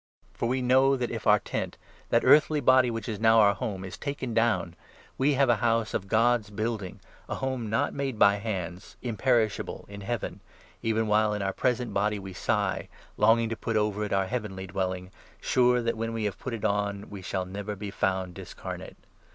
For we know i , that if our tent — that earthly body which is now our home — is taken down, we have a house of God's building, a home not made by hands, imperishable, in Heaven. Even while in our 2 present body we sigh, longing to put over it our heavenly dwelling, sure that, when we have put it on, we shall never be 3 found discarnate.